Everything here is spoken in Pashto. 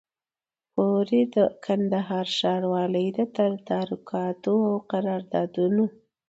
پوري د کندهار ښاروالۍ د تدارکاتو او قراردادونو